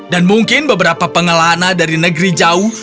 dan mungkin beberapa pengelana dari negeri jauh